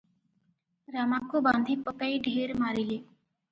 ରାମାକୁ ବାନ୍ଧିପକାଇ ଢ଼େର ମାରିଲେ ।